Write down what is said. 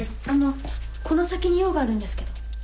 あのこの先に用があるんですけど。